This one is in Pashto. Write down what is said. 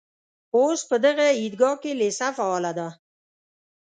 اوس په دغه عیدګاه کې لېسه فعاله ده.